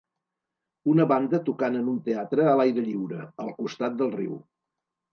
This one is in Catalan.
Una banda tocant en un teatre a l'aire lliure, al costat del riu.